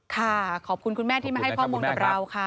ขอบคุณคุณแม่ที่มาให้ข้อมูลกับเราค่ะ